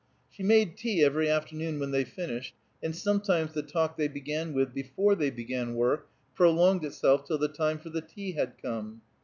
She made tea every afternoon when they finished, and sometimes the talk they began with before they began work prolonged itself till the time for the tea had come.